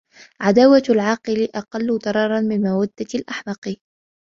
عَدَاوَةُ الْعَاقِلِ أَقَلُّ ضَرَرًا مِنْ مَوَدَّةِ الْأَحْمَقِ